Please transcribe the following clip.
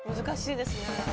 難しいですね。